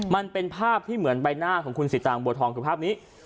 มันเป็นภาพที่เหมือนใบหน้าของคุณสิตางบัวทองคือภาพนี้